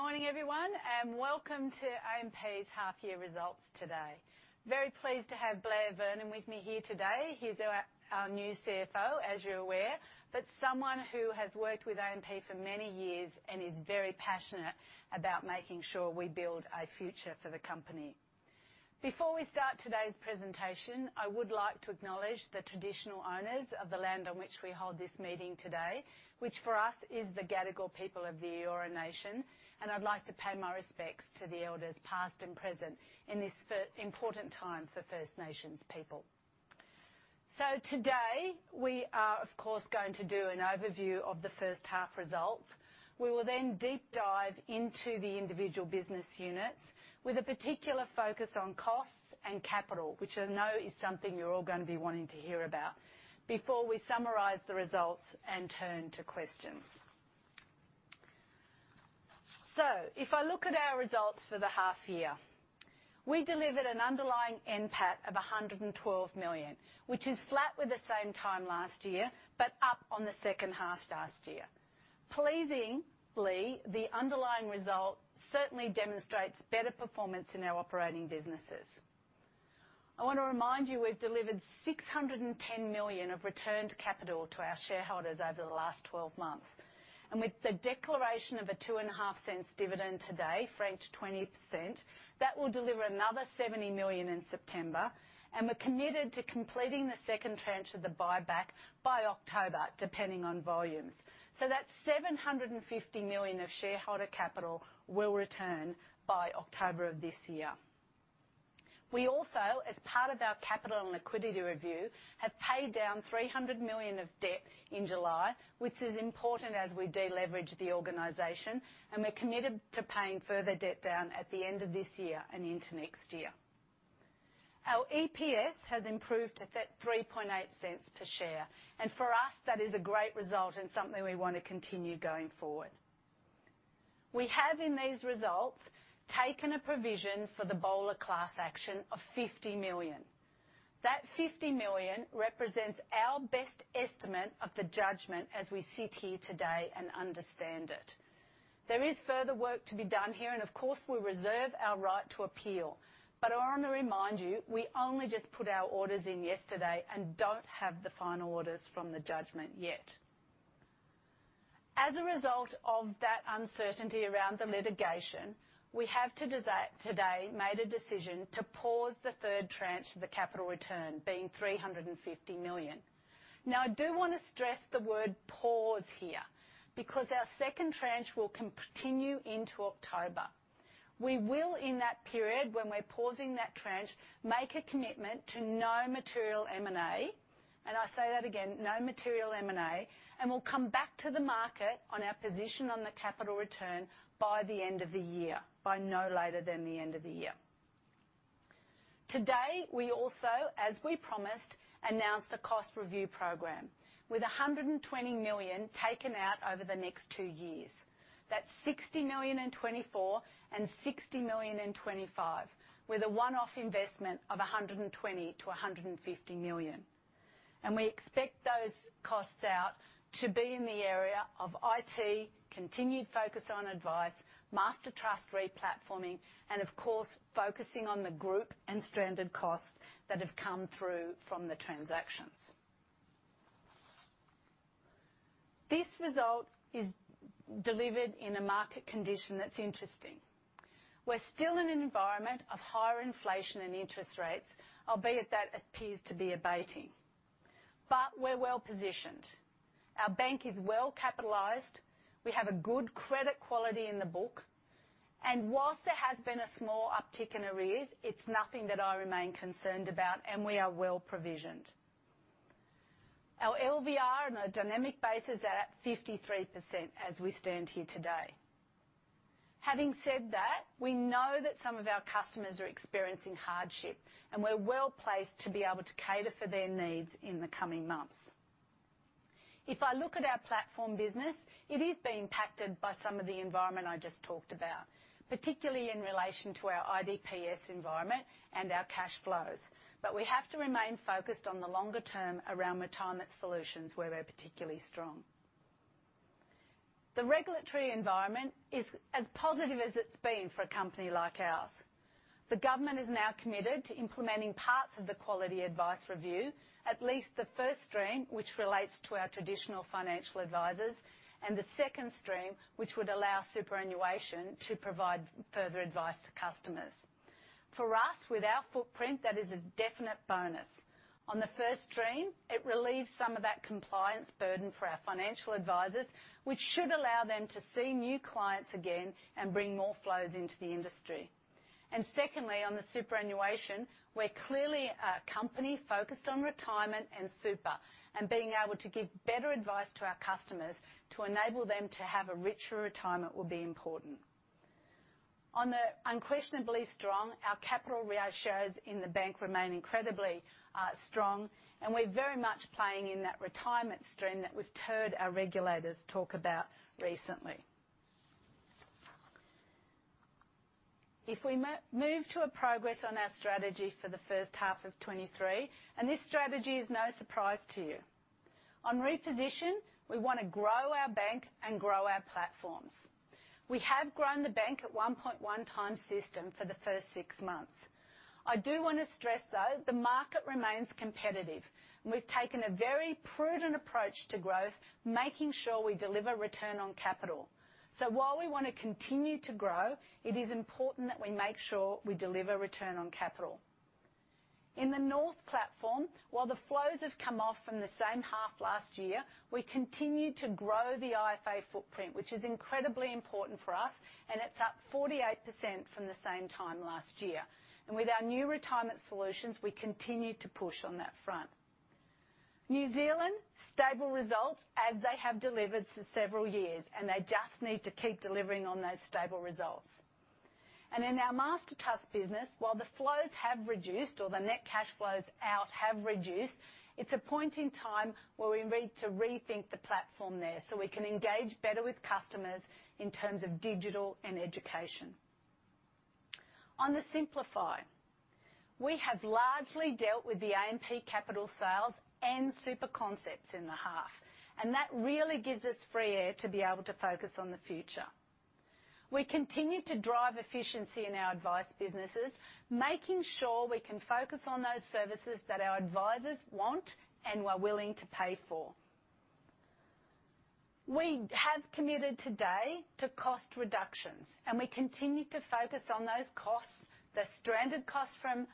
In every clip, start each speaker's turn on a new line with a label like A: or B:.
A: Good morning, everyone, and welcome to AMP's half year results today. Very pleased to have Blair Vernon with me here today. He's our new CFO, as you're aware, but someone who has worked with AMP for many years and is very passionate about making sure we build a future for the company. Before we start today's presentation, I would like to acknowledge the traditional owners of the land on which we hold this meeting today, which for us is the Gadigal people of the Eora Nation, and I'd like to pay my respects to the elders, past and present, in this important time for First Nations people. Today, we are, of course, going to do an overview of the first half results. We will deep dive into the individual business units with a particular focus on costs and capital, which I know is something you're all going to be wanting to hear about, before we summarize the results and turn to questions. If I look at our results for the half year, we delivered an underlying NPAT of 112 million, which is flat with the same time last year, but up on the second half last year. Pleasingly, the underlying result certainly demonstrates better performance in our operating businesses. I want to remind you, we've delivered 610 million of returned capital to our shareholders over the last 12 months. With the declaration of a 0.025 dividend today, franked 20%, that will deliver another 70 million in September. We're committed to completing the second tranche of the buyback by October, depending on volumes. That's 750 million of shareholder capital will return by October of this year. We also, as part of our capital and liquidity review, have paid down 300 million of debt in July, which is important as we de-leverage the organization. We're committed to paying further debt down at the end of this year and into next year. Our EPS has improved to 0.038 per share. For us, that is a great result and something we want to continue going forward. We have, in these results, taken a provision for the Buyer of Last Resort class action of 50 million. That 50 million represents our best estimate of the judgment as we sit here today and understand it. There is further work to be done here. Of course, we reserve our right to appeal. I want to remind you, we only just put our orders in yesterday and don't have the final orders from the judgment yet. As a result of that uncertainty around the litigation, we have today made a decision to pause the third tranche of the capital return, being 350 million. I do want to stress the word pause here, because our second tranche will continue into October. We will, in that period, when we're pausing that tranche, make a commitment to no material M&A. I say that again, no material M&A. We'll come back to the market on our position on the capital return by the end of the year, by no later than the end of the year. Today, we also, as we promised, announced a cost review program with 120 million taken out over the next 2 years. That's 60 million in 2024 and 60 million in 2025, with a one-off investment of 120 million-150 million. We expect those costs out to be in the area of IT, continued focus on advice, Master Trust re-platforming, and of course, focusing on the group and stranded costs that have come through from the transactions. This result is delivered in a market condition that's interesting. We're still in an environment of higher inflation and interest rates, albeit that appears to be abating, but we're well positioned. Our bank is well capitalized, we have a good credit quality in the book, and whilst there has been a small uptick in arrears, it's nothing that I remain concerned about, and we are well provisioned. Our LVR on a dynamic basis is at 53% as we stand here today. Having said that, we know that some of our customers are experiencing hardship, and we're well placed to be able to cater for their needs in the coming months. If I look at our platform business, it is being impacted by some of the environment I just talked about, particularly in relation to our IDPS environment and our cash flows. We have to remain focused on the longer term around retirement solutions, where we're particularly strong. The regulatory environment is as positive as it's been for a company like ours. The government is now committed to implementing parts of the Quality of Advice Review, at least the first stream, which relates to our traditional financial advisors, and the second stream, which would allow superannuation to provide further advice to customers. For us, with our footprint, that is a definite bonus. On the first stream, it relieves some of that compliance burden for our financial advisors, which should allow them to see new clients again and bring more flows into the industry. Secondly, on the superannuation, we're clearly a company focused on retirement and super, and being able to give better advice to our customers to enable them to have a richer retirement will be important. On the unquestionably strong, our capital ratios in the bank remain incredibly strong, and we're very much playing in that retirement stream that we've heard our regulators talk about recently. If we move to a progress on our strategy for the first half of 2023, and this strategy is no surprise to you. On reposition, we want to grow our bank and grow our platforms. We have grown the bank at 1.1 times system for the first six months. I do want to stress, though, the market remains competitive, and we've taken a very prudent approach to growth, making sure we deliver return on capital. While we want to continue to grow, it is important that we make sure we deliver return on capital. In the North platform, while the flows have come off from the same half last year, we continue to grow the IFA footprint, which is incredibly important for us, and it's up 48% from the same time last year. With our new retirement solutions, we continue to push on that front. New Zealand, stable results as they have delivered for several years, and they just need to keep delivering on those stable results. In our Master Trust business, while the flows have reduced or the net cash flows out have reduced, it's a point in time where we need to rethink the platform there, so we can engage better with customers in terms of digital and education. On the Simplify, we have largely dealt with the AMP Capital sales and SuperConcepts in the half. That really gives us free air to be able to focus on the future. We continue to drive efficiency in our advice businesses, making sure we can focus on those services that our advisors want and are willing to pay for. We have committed today to cost reductions. We continue to focus on those costs, the stranded costs from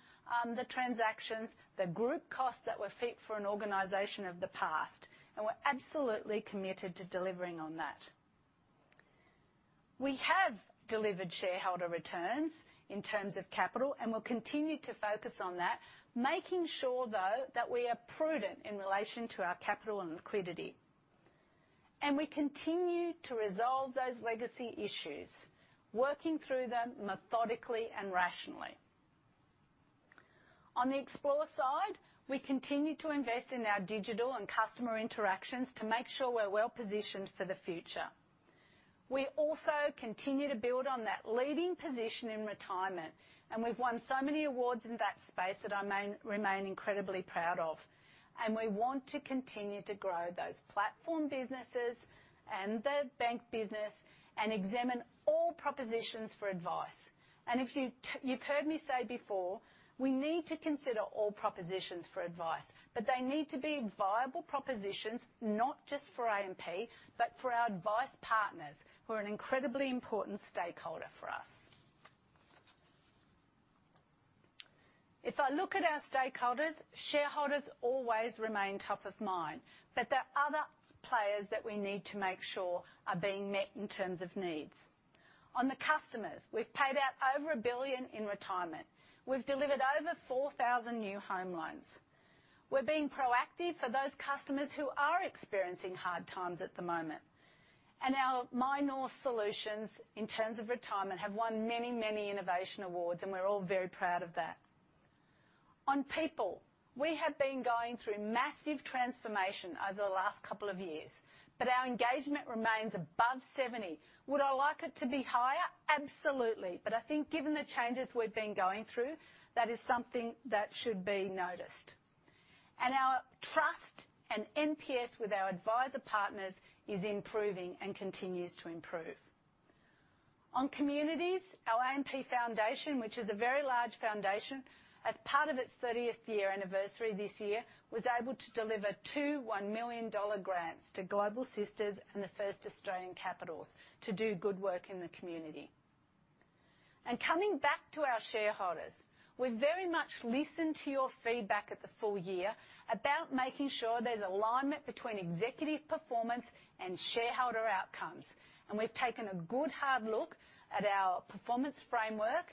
A: the transactions, the group costs that were fit for an organization of the past. We're absolutely committed to delivering on that. We have delivered shareholder returns in terms of capital. We'll continue to focus on that, making sure, though, that we are prudent in relation to our capital and liquidity. We continue to resolve those legacy issues, working through them methodically and rationally. On the Explore side, we continue to invest in our digital and customer interactions to make sure we're well-positioned for the future. We also continue to build on that leading position in retirement, and we've won so many awards in that space that I remain incredibly proud of. We want to continue to grow those platform businesses and the bank business and examine all propositions for advice. If you've, you've heard me say before, we need to consider all propositions for advice, but they need to be viable propositions, not just for AMP, but for our advice partners, who are an incredibly important stakeholder for us. If I look at our stakeholders, shareholders always remain top of mind, there are other players that we need to make sure are being met in terms of needs. On the customers, we've paid out over 1 billion in retirement. We've delivered over 4,000 new home loans. We're being proactive for those customers who are experiencing hard times at the moment, and our MyNorth solutions, in terms of retirement, have won many, many innovation awards, and we're all very proud of that. On people, we have been going through massive transformation over the last couple of years, but our engagement remains above 70. Would I like it to be higher? Absolutely. I think given the changes we've been going through, that is something that should be noticed. Our trust and NPS with our advisor partners is improving and continues to improve. On communities, our AMP Foundation, which is a very large foundation, as part of its 30th-year anniversary this year, was able to deliver two 1 million dollar grants to Global Sisters and the First Australians Capital to do good work in the community. Coming back to our shareholders, we very much listened to your feedback at the full year about making sure there's alignment between executive performance and shareholder outcomes. We've taken a good, hard look at our performance framework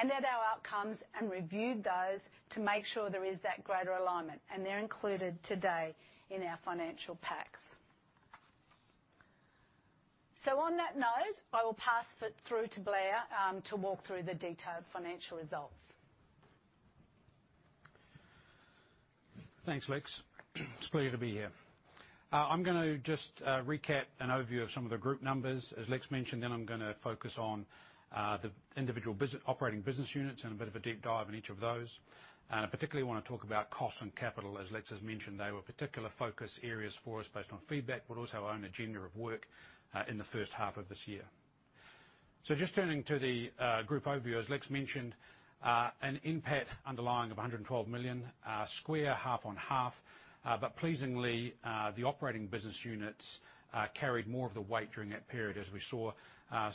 A: and at our outcomes and reviewed those to make sure there is that greater alignment, and they're included today in our financial packs. On that note, I will pass it through to Blair to walk through the detailed financial results.
B: Thanks, Lex. It's pleasure to be here. I'm going to just recap an overview of some of the group numbers, as Lex mentioned. I'm gonna focus on the individual business-- operating business units and a bit of a deep dive in each of those. I particularly want to talk about cost and capital. As Lex has mentioned, they were particular focus areas for us based on feedback, but also our own agenda of work in the first half of this year. Just turning to the group overview. As Lex mentioned, an NPAT underlying of 112 million, square, half on half. Pleasingly, the operating business units carried more of the weight during that period as we saw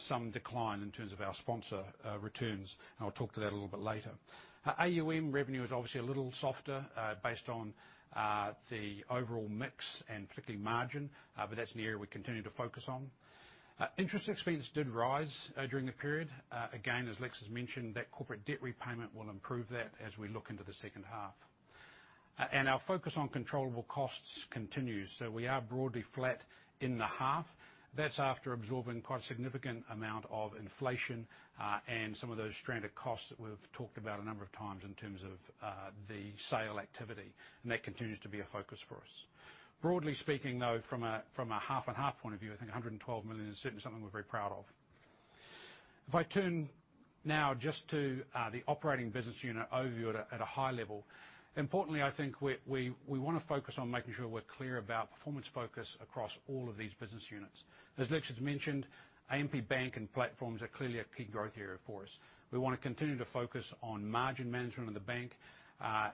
B: some decline in terms of our sponsor returns, and I'll talk to that a little bit later. AUM revenue is obviously a little softer, based on the overall mix and particularly margin, but that's an area we continue to focus on. Interest expense did rise during the period. Again, as Lex has mentioned, that corporate debt repayment will improve that as we look into the second half. Our focus on controllable costs continues, so we are broadly flat in the half. That's after absorbing quite a significant amount of inflation, and some of those stranded costs that we've talked about a number of times in terms of the sale activity, and that continues to be a focus for us. Broadly speaking, though, from a, from a half-and-half point of view, I think 112 million is certainly something we're very proud of. If I turn now just to the operating business unit overview at a, at a high level. Importantly, I think we, we, we wanna focus on making sure we're clear about performance focus across all of these business units. As Lex has mentioned, AMP Bank and Platforms are clearly a key growth area for us. We wanna continue to focus on margin management of the bank,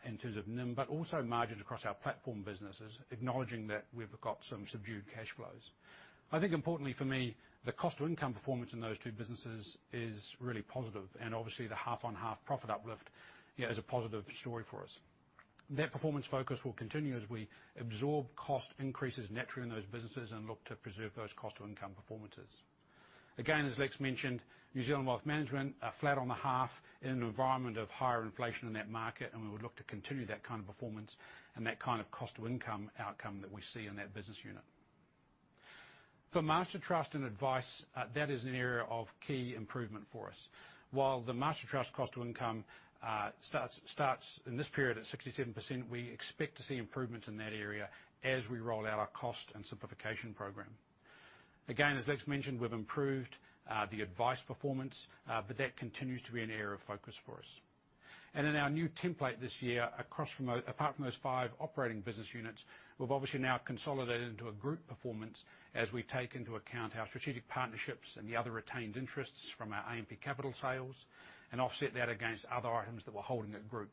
B: in terms of NIM, but also margins across our platform businesses, acknowledging that we've got some subdued cash flows. I think importantly for me, the cost of income performance in those two businesses is really positive, and obviously, the half-on-half profit uplift, yeah, is a positive story for us. That performance focus will continue as we absorb cost increases naturally in those businesses and look to preserve those cost to income performances. Again, as Lex mentioned, New Zealand Wealth Management are flat on the half in an environment of higher inflation in that market, and we would look to continue that kind of performance and that kind of cost to income outcome that we see in that business unit. For Master Trust and Advice, that is an area of key improvement for us. While the Master Trust cost to income starts in this period at 67%, we expect to see improvements in that area as we roll out our cost and simplification program. Again, as Lex mentioned, we've improved the advice performance, but that continues to be an area of focus for us. In our new template this year, apart from those five operating business units, we've obviously now consolidated into a group performance as we take into account our strategic partnerships and the other retained interests from our AMP Capital sales, and offset that against other items that we're holding at group.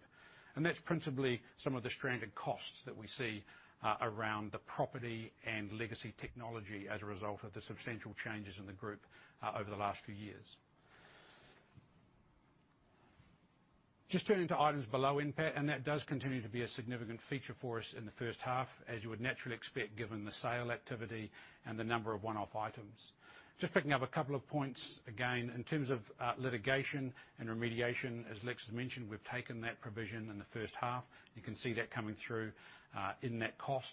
B: That's principally some of the stranded costs that we see around the property and legacy technology as a result of the substantial changes in the group over the last few years. Just turning to items below NPAT, and that does continue to be a significant feature for us in the first half, as you would naturally expect, given the sale activity and the number of one-off items. Just picking up a couple of points, again, in terms of litigation and remediation, as Lex has mentioned, we've taken that provision in the first half. You can see that coming through in that cost.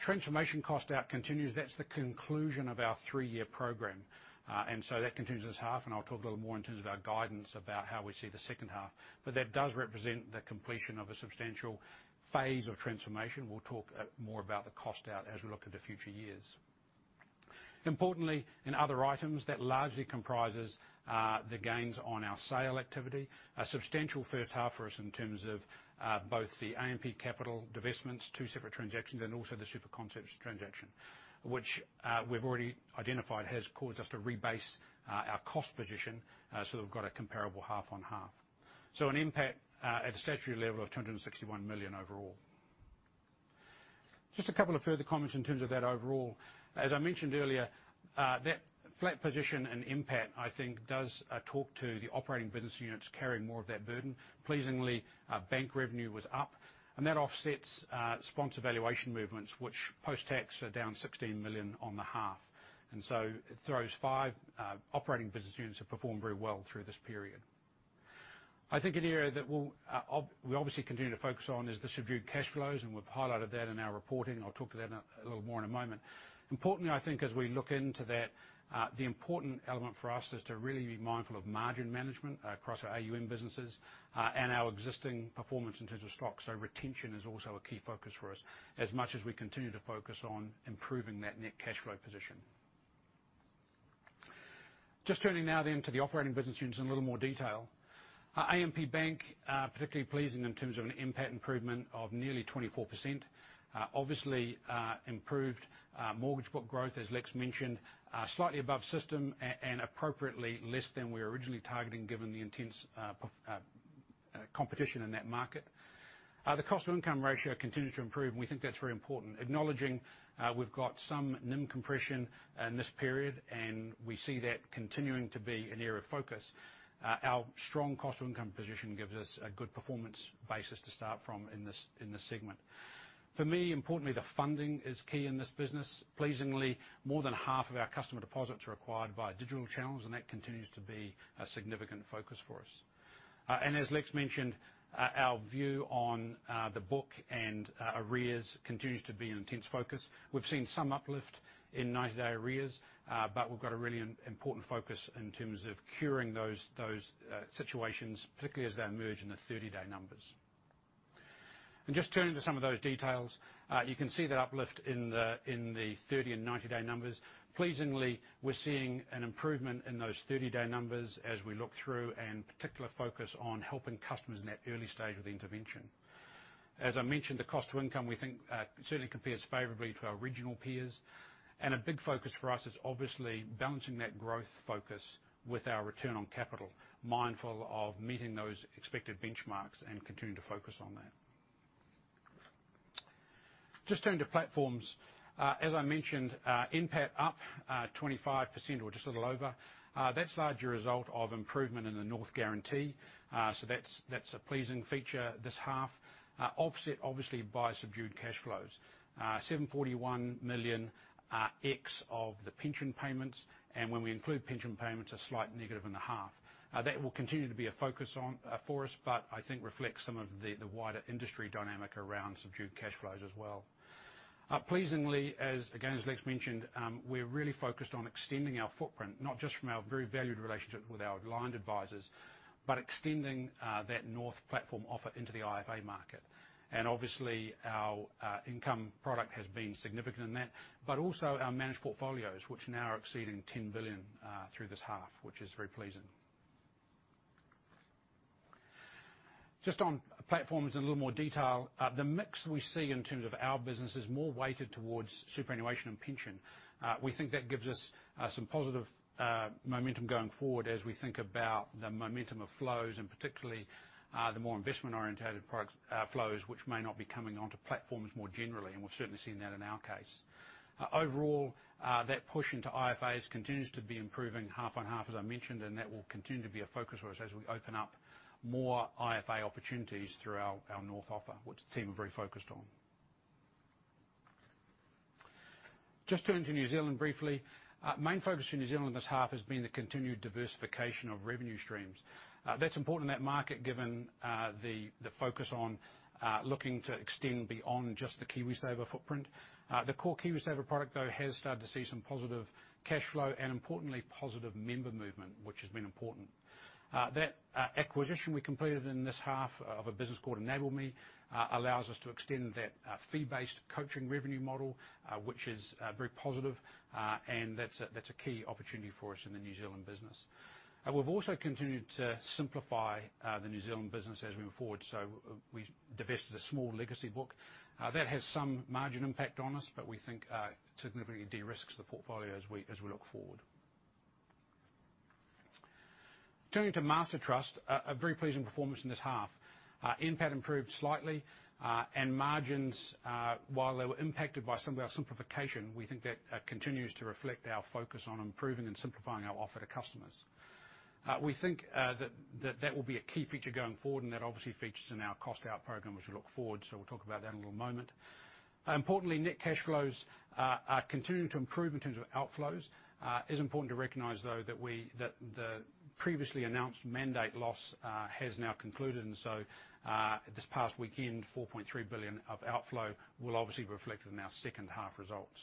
B: Transformation cost out continues. That's the conclusion of our three-year program. That continues this half, and I'll talk a little more in terms of our guidance about how we see the second half. That does represent the completion of a substantial phase of transformation. We'll talk more about the cost out as we look at the future years. Importantly, in other items, that largely comprises the gains on our sale activity. A substantial first half for us in terms of both the AMP Capital divestments, 2 separate transactions, and also the SuperConcepts transaction, which we've already identified, has caused us to rebase our cost position, so we've got a comparable half on half. An impact at a statutory level of 261 million overall. Just 2 further comments in terms of that overall. As I mentioned earlier, that flat position and NPAT, I think, does talk to the operating business units carrying more of that burden. Pleasingly, bank revenue was up, and that offsets sponsor valuation movements, which post-tax are down 16 million on the half. It throws 5 operating business units have performed very well through this period. I think an area that we'll, we obviously continue to focus on is the subdued cash flows, and we've highlighted that in our reporting. I'll talk to that a, a little more in a moment. Importantly, I think as we look into that, the important element for us is to really be mindful of margin management across our AUM businesses, and our existing performance in terms of stocks. Retention is also a key focus for us, as much as we continue to focus on improving that net cash flow position. Just turning now then to the operating business units in a little more detail. AMP Bank, particularly pleasing in terms of an NPAT improvement of nearly 24%. Obviously, improved mortgage book growth, as Lex mentioned, slightly above system and appropriately less than we were originally targeting, given the intense competition in that market. The cost to income ratio continues to improve, and we think that's very important. Acknowledging, we've got some NIM compression in this period, and we see that continuing to be an area of focus. Our strong cost to income position gives us a good performance basis to start from in this, in this segment. For me, importantly, the funding is key in this business. Pleasingly, more than half of our customer deposits are acquired via digital channels, and that continues to be a significant focus for us. As Lex mentioned, our view on the book and arrears continues to be an intense focus. We've seen some uplift in 90-day arrears, but we've got a really important focus in terms of curing those, those situations, particularly as they emerge in the 30-day numbers. Just turning to some of those details, you can see that uplift in the, in the 30- and 90-day numbers. Pleasingly, we're seeing an improvement in those 30-day numbers as we look through, and particular focus on helping customers in that early stage of the intervention. As I mentioned, the cost to income, we think, certainly compares favorably to our regional peers, and a big focus for us is obviously balancing that growth focus with our return on capital, mindful of meeting those expected benchmarks and continuing to focus on that. Just turn to platforms. As I mentioned, NPAT up 25% or just a little over. That's largely a result of improvement in the North Guarantee, so that's, that's a pleasing feature this half. Offset, obviously, by subdued cash flows. 741 million ex of the pension payments, and when we include pension payments, a slight negative in the half. That will continue to be a focus on for us, but I think reflects some of the wider industry dynamic around subdued cash flows as well. Pleasingly, as again, as Lex mentioned, we're really focused on extending our footprint, not just from our very valued relationship with our aligned advisors, but extending that North platform offer into the IFA market. Obviously, our income product has been significant in that, but also our managed portfolios, which now are exceeding 10 billion through this half, which is very pleasing. Just on platforms in a little more detail, the mix we see in terms of our business is more weighted towards superannuation and pension. We think that gives us some positive momentum going forward as we think about the momentum of flows, and particularly, the more investment-orientated products, flows, which may not be coming onto platforms more generally, and we're certainly seeing that in our case. Overall, that push into IFAs continues to be improving half on half, as I mentioned, and that will continue to be a focus for us as we open up more IFA opportunities through our, our North offer, which the team are very focused on. Just turning to New Zealand briefly. Main focus for New Zealand this half has been the continued diversification of revenue streams. That's important in that market, given the focus on looking to extend beyond just the KiwiSaver footprint. The core KiwiSaver product, though, has started to see some positive cash flow and, importantly, positive member movement, which has been important. That acquisition we completed in this half of a business called Enable.me, allows us to extend that fee-based coaching revenue model, which is very positive. That's a, that's a key opportunity for us in the New Zealand business. We've also continued to simplify the New Zealand business as we move forward, so we divested a small legacy book. That has some margin impact on us, but we think significantly de-risks the portfolio as we, as we look forward. Turning to Master Trust, a very pleasing performance in this half. NPAT improved slightly, and margins, while they were impacted by some of our simplification, we think that continues to reflect our focus on improving and simplifying our offer to customers. We think that, that will be a key feature going forward, and that obviously features in our cost out program as we look forward, so we'll talk about that in a little moment. Importantly, net cash flows are, are continuing to improve in terms of outflows. It's important to recognize, though, that the previously announced mandate loss has now concluded, and so, this past weekend, 4.3 billion of outflow will obviously be reflected in our second half results.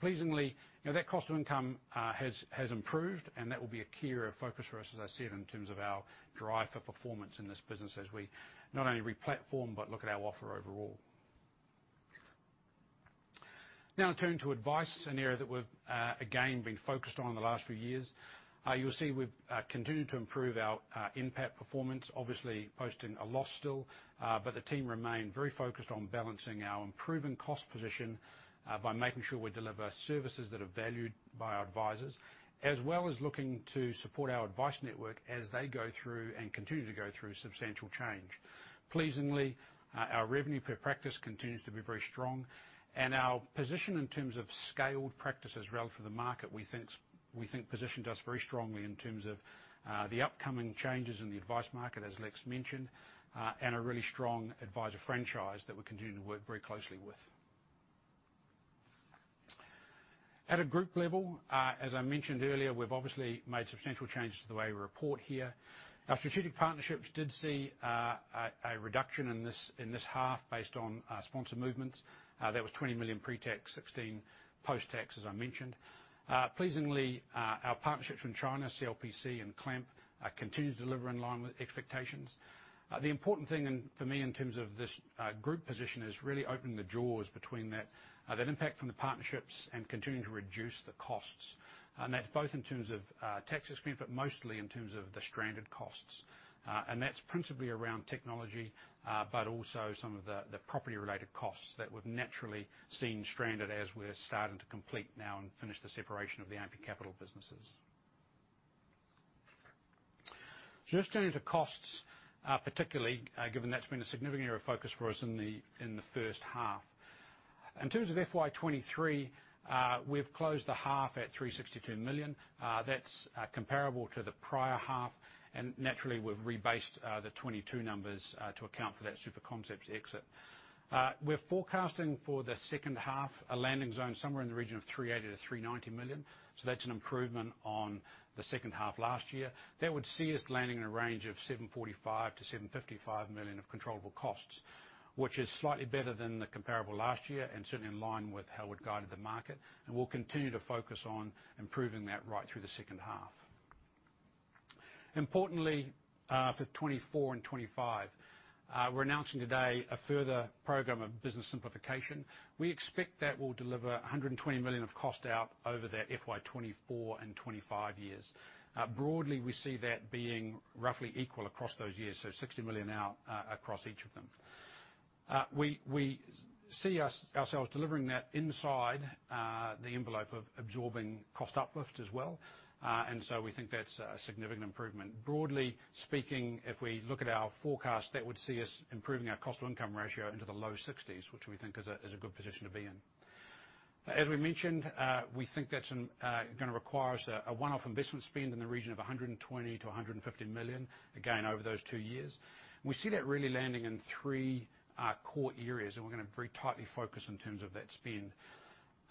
B: Pleasingly, you know, that cost of income has, has improved, and that will be a key area of focus for us, as I said, in terms of our drive for performance in this business as we not only replatform, but look at our offer overall. Now, turning to Advice, an area that we've again, been focused on in the last few years. You'll see we've continued to improve our NPAT performance, obviously posting a loss still. The team remain very focused on balancing our improving cost position, by making sure we deliver services that are valued by our advisors, as well as looking to support our Advice network as they go through and continue to go through substantial change. Pleasingly, our revenue per practice continues to be very strong, and our position in terms of scaled practices relative to the market, we think we think positions us very strongly in terms of the upcoming changes in the advice market, as Lex mentioned, and a really strong advisor franchise that we continue to work very closely with. At a group level, as I mentioned earlier, we've obviously made substantial changes to the way we report here. Our strategic partnerships did see a reduction in this, in this half based on sponsor movements. That was 20 million pre-tax, 16 million post-tax, as I mentioned. Pleasingly, our partnerships in China, CLPC and CLAMP, continue to deliver in line with expectations. The important thing in, for me, in terms of this group position is really opening the drawers between that impact from the partnerships and continuing to reduce the costs. That's both in terms of tax expense, but mostly in terms of the stranded costs. That's principally around technology, but also some of the property-related costs that we've naturally seen stranded as we're starting to complete now and finish the separation of the AMP Capital businesses. Just turning to costs, particularly given that's been a significant area of focus for us in the first half. In terms of FY 2023, we've closed the half at 362 million. That's comparable to the prior half, and naturally, we've rebased the 2022 numbers to account for that SuperConcepts exit. We're forecasting for the second half, a landing zone somewhere in the region of 380 million-390 million, so that's an improvement on the second half of last year. That would see us landing in a range of 745 million-755 million of controllable costs, which is slightly better than the comparable last year and certainly in line with how we'd guided the market, and we'll continue to focus on improving that right through the second half. Importantly, for 2024 and 2025, we're announcing today a further program of business simplification. We expect that will deliver 120 million of cost out over that FY 2024 and FY 2025 years. Broadly, we see that being roughly equal across those years, so 60 million out across each of them. We see ourselves delivering that inside the envelope of absorbing cost uplift as well. We think that's a significant improvement. Broadly speaking, if we look at our forecast, that would see us improving our cost-to-income ratio into the low 60s, which we think is a good position to be in. As we mentioned, we think that's gonna require us a one-off investment spend in the region of 120 million-150 million, again, over those two years. We see that really landing in 3 core areas. We're gonna very tightly focus in terms of that spend.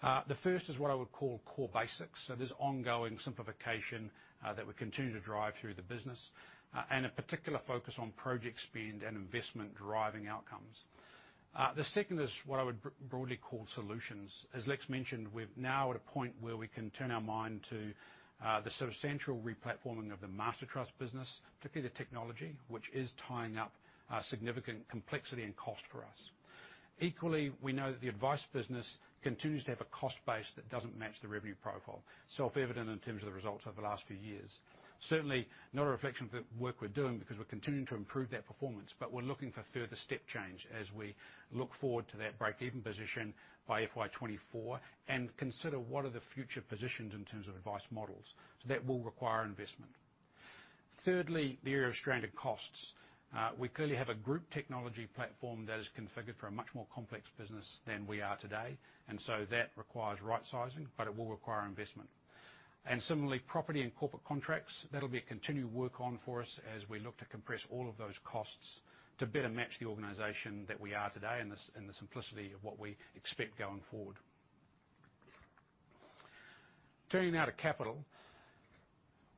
B: The first is what I would call core basics, this ongoing simplification that we continue to drive through the business, a particular focus on project spend and investment driving outcomes. The second is what I would broadly call solutions. As Lex mentioned, we're now at a point where we can turn our mind to the sort of central replatforming of the Master Trust business, particularly the technology, which is tying up significant complexity and cost for us. Equally, we know that the advice business continues to have a cost base that doesn't match the revenue profile, self-evident in terms of the results over the last few years. Certainly, not a reflection of the work we're doing, because we're continuing to improve that performance, but we're looking for further step change as we look forward to that break-even position by FY 2024, and consider what are the future positions in terms of advice models. That will require investment. Thirdly, the area of stranded costs. We clearly have a group technology platform that is configured for a much more complex business than we are today, and so that requires right sizing, but it will require investment. Similarly, property and corporate contracts, that'll be a continued work on for us as we look to compress all of those costs to better match the organization that we are today, and the simplicity of what we expect going forward. Turning now to capital.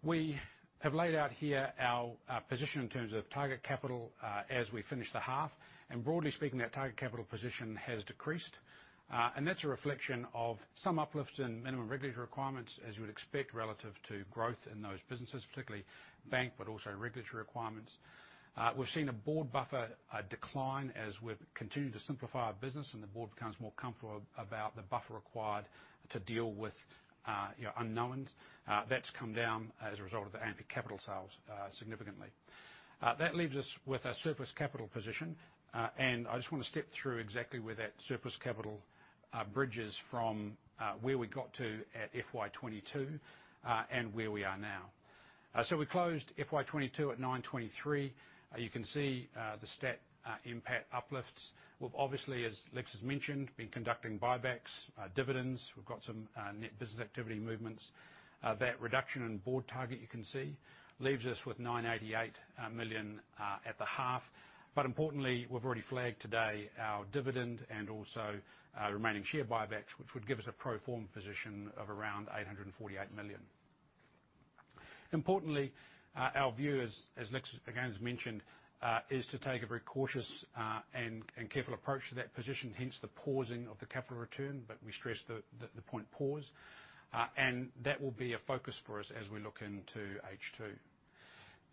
B: We have laid out here our position in terms of target capital as we finish the half, and broadly speaking, that target capital position has decreased. That's a reflection of some uplifts in minimum regulatory requirements, as you would expect, relative to growth in those businesses, particularly AMP Bank, but also regulatory requirements. We've seen a board buffer decline as we've continued to simplify our business, and the board becomes more comfortable about the buffer required to deal with your unknowns. That's come down as a result of the AMP Capital sales significantly. That leaves us with a surplus capital position. I just want to step through exactly where that surplus capital bridges from, where we got to at FY 2022, and where we are now. We closed FY 2022 at 923. You can see the stat impact uplifts. We've obviously, as Lex has mentioned, been conducting buybacks, dividends. We've got some net business activity movements. That reduction in board target, you can see, leaves us with 988 million at the half. Importantly, we've already flagged today our dividend and also our remaining share buybacks, which would give us a pro forma position of around 848 million. Importantly, our view as, as Lex, again, has mentioned, is to take a very cautious and careful approach to that position, hence the pausing of the capital return, but we stress the point pause. That will be a focus for us as we look into H2.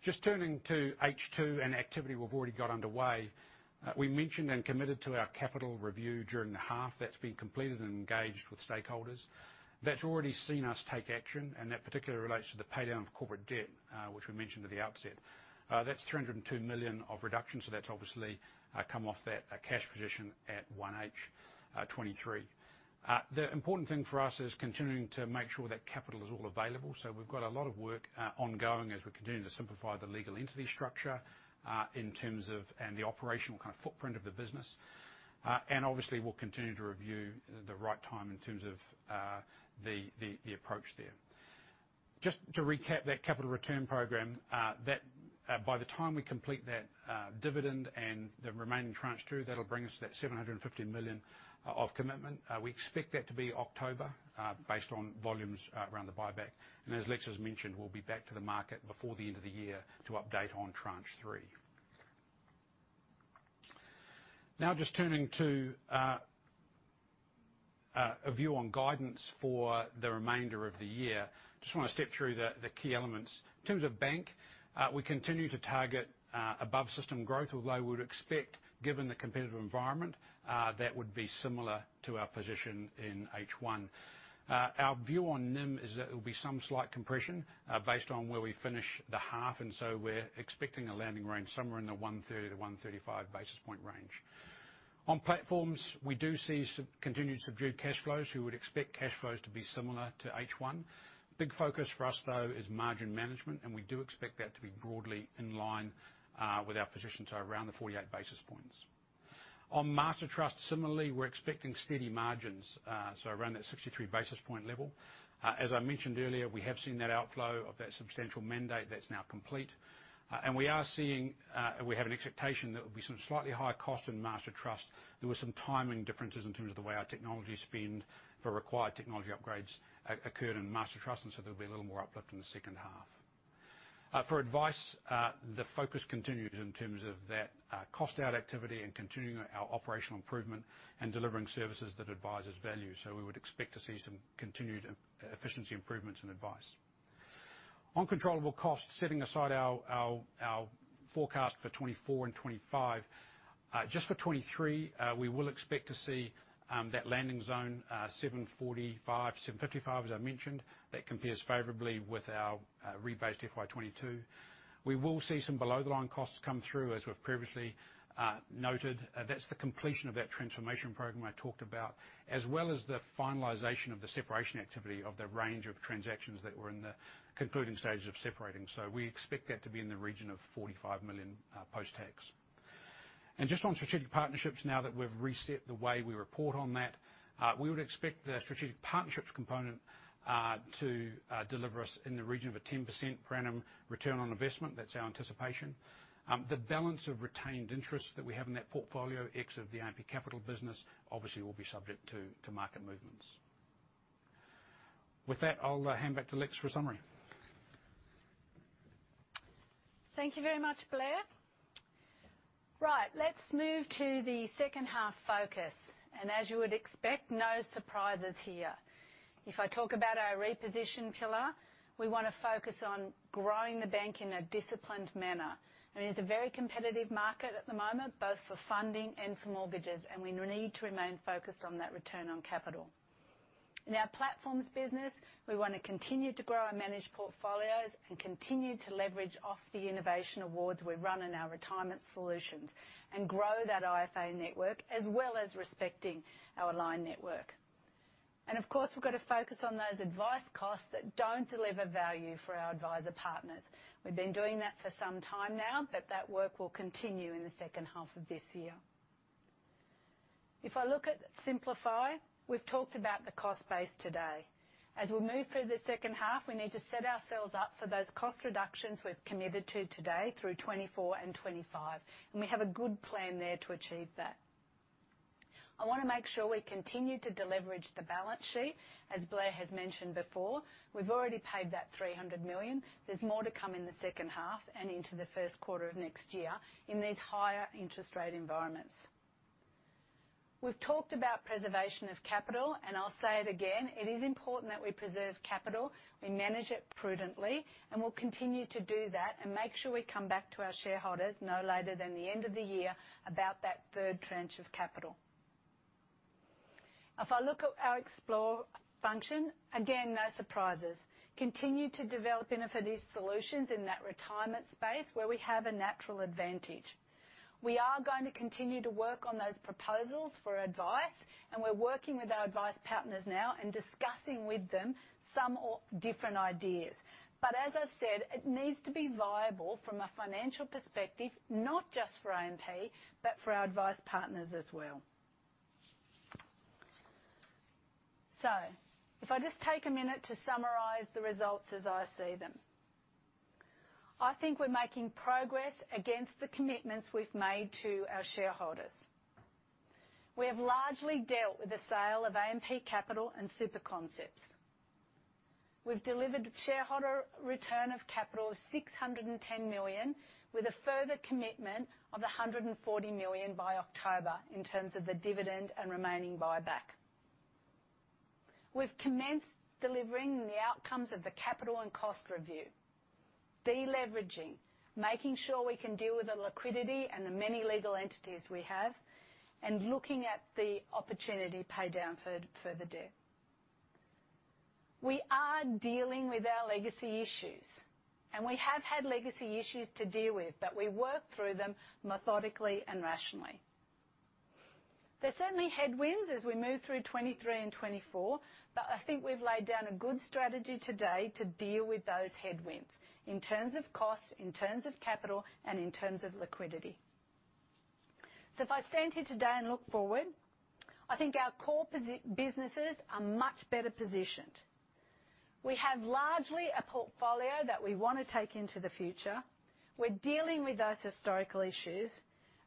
B: Just turning to H2 and activity we've already got underway. We mentioned and committed to our capital review during the half. That's been completed and engaged with stakeholders. That's already seen us take action, and that particularly relates to the pay down of corporate debt, which we mentioned at the outset. That's 302 million of reduction, so that's obviously, come off that, cash position at one H, 2023. The important thing for us is continuing to make sure that capital is all available, so we've got a lot of work, ongoing as we continue to simplify the legal entity structure, in terms of... and the operational kind of footprint of the business. Obviously, we'll continue to review the right time in terms of, the, the, the approach there. Just to recap that capital return program, that, by the time we complete that, dividend and the remaining tranche 2, that'll bring us to that 750 million of commitment. We expect that to be October, based on volumes, around the buyback. As Lex has mentioned, we'll be back to the market before the end of the year to update on tranche three. Now, just turning to a view on guidance for the remainder of the year. Just want to step through the key elements. In terms of bank, we continue to target above-system growth, although we would expect, given the competitive environment, that would be similar to our position in H1. Our view on NIM is that it will be some slight compression, based on where we finish the half, and so we're expecting a landing range somewhere in the 130-135 basis point range. On platforms, we do see continued subdued cash flows. We would expect cash flows to be similar to H1. Big focus for us, though, is margin management, and we do expect that to be broadly in line with our position to around the 48 basis points. On Mastertrust, similarly, we're expecting steady margins, so around that 63 basis point level. As I mentioned earlier, we have seen that outflow of that substantial mandate. That's now complete. We are seeing. We have an expectation that there will be some slightly higher cost in Mastertrust. There were some timing differences in terms of the way our technology spend for required technology upgrades occurred in Mastertrust, and so there'll be a little more uplift in the second half. For advice, the focus continues in terms of that cost out activity and continuing our operational improvement and delivering services that advisors value. We would expect to see some continued efficiency improvements and advice. On controllable costs, setting aside our, our, our forecast for 2024 and 2025, just for 2023, we will expect to see that landing zone, 745 million-755 million, as I mentioned. That compares favorably with our rebased FY 2022. We will see some below-the-line costs come through, as we've previously noted. That's the completion of that transformation program I talked about, as well as the finalization of the separation activity of the range of transactions that were in the concluding stages of separating. We expect that to be in the region of 45 million post-tax. Just on strategic partnerships, now that we've reset the way we report on that, we would expect the strategic partnerships component to deliver us in the region of a 10% per annum return on investment. That's our anticipation. The balance of retained interests that we have in that portfolio, ex of the AMP Capital business, obviously will be subject to, to market movements. With that, I'll hand back to Lex for a summary.
A: Thank you very much, Blair. Right, let's move to the second half focus. As you would expect, no surprises here. If I talk about our reposition pillar, we wanna focus on growing the Bank in a disciplined manner. It's a very competitive market at the moment, both for funding and for mortgages, and we need to remain focused on that return on capital. In our platforms business, we wanna continue to grow our managed portfolios and continue to leverage off the innovation awards we run in our retirement solutions, grow that IFA network, as well as respecting our aligned network. Of course, we've got to focus on those advice costs that don't deliver value for our advisor partners. We've been doing that for some time now, but that work will continue in the second half of this year. If I look at Simplify, we've talked about the cost base today. As we move through the second half, we need to set ourselves up for those cost reductions we've committed to today through 2024 and 2025, and we have a good plan there to achieve that. I wanna make sure we continue to deleverage the balance sheet, as Blair has mentioned before. We've already paid that 300 million. There's more to come in the second half and into the first quarter of next year in these higher interest rate environments. We've talked about preservation of capital, and I'll say it again, it is important that we preserve capital, we manage it prudently, and we'll continue to do that and make sure we come back to our shareholders no later than the end of the year about that third tranche of capital. If I look at our Explore function, again, no surprises. Continue to develop innovative solutions in that retirement space where we have a natural advantage. We are going to continue to work on those proposals for advice, and we're working with our advice partners now and discussing with them some or different ideas. As I've said, it needs to be viable from a financial perspective, not just for AMP, but for our advice partners as well. If I just take a minute to summarize the results as I see them. I think we're making progress against the commitments we've made to our shareholders. We have largely dealt with the sale of AMP Capital and Superconcepts. We've delivered shareholder return of capital of 610 million, with a further commitment of 140 million by October in terms of the dividend and remaining buyback. We've commenced delivering the outcomes of the capital and cost review, deleveraging, making sure we can deal with the liquidity and the many legal entities we have, and looking at the opportunity to pay down further debt. We are dealing with our legacy issues, and we have had legacy issues to deal with, but we work through them methodically and rationally. There's certainly headwinds as we move through 2023 and 2024, but I think we've laid down a good strategy today to deal with those headwinds in terms of cost, in terms of capital, and in terms of liquidity. If I stand here today and look forward, I think our core businesses are much better positioned. We have largely a portfolio that we wanna take into the future. We're dealing with those historical issues,